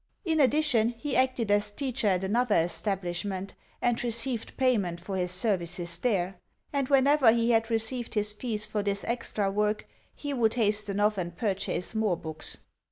In addition, he acted as teacher at another establishment, and received payment for his services there; and, whenever he had received his fees for this extra work, he would hasten off and purchase more books.